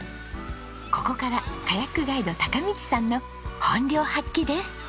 ここからカヤックガイド貴道さんの本領発揮です。